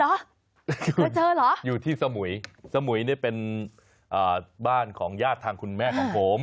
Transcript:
คุณเจอเหรออยู่ที่สมุยสมุยเนี่ยเป็นบ้านของญาติทางคุณแม่ของผม